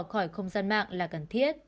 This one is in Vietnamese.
khỏi không gian mạng là cần thiết